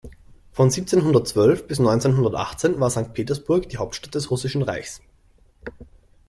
Von siebzehnhundertzwölf bis neunzehnhundertachtzehn war Sankt Petersburg die Hauptstadt des Russischen Reichs.